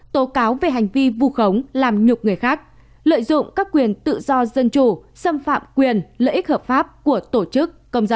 tố cáo về hành vi vù khống làm nhục người khác lợi dụng các quyền tự do dân chủ xâm phạm quyền lợi ích hợp pháp của tổ chức công dân